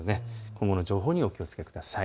今後の情報にお気をつけください。